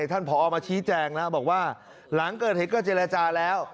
ท่านคุณปออมาชี้แจงแล้วบอกว่าหลังเกิดเหตุก็ก็เจลจ่าแล้ว